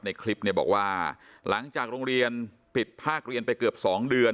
ในคลิปเนี่ยบอกว่าหลังจากโรงเรียนปิดภาคเรียนไปเกือบ๒เดือน